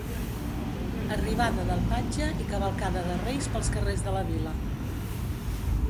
Arribada del patge i cavalcada de reis pels carrers de la vila.